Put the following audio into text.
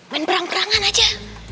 main perang perangan aja